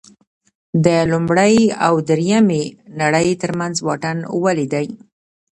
د لومړۍ او درېیمې نړۍ ترمنځ واټن ولې دی.